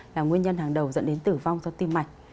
là nguyên nhân hàng đầu dẫn đến tử vong do tim mạch